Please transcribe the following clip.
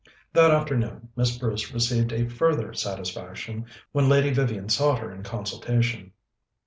That afternoon Miss Bruce received a further satisfaction when Lady Vivian sought her in consultation.